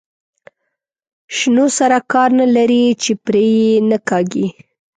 شنو سره کار نه لري چې پرې یې نه کاږي.